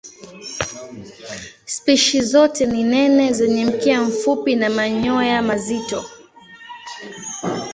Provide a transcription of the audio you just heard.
Spishi zote ni nene zenye mkia mfupi na manyoya mazito.